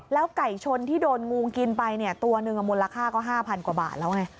ไก่ชนที่โดนงูกินไปเนี่ยตัวหนึ่งมูลค่าก็๕๐๐กว่าบาทแล้วไง